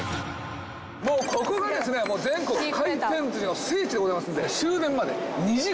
もうここがですね全国回転寿司の聖地でございますんで。